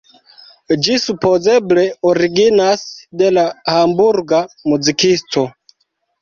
Ĝi supozeble originas de la Hamburga muzikisto.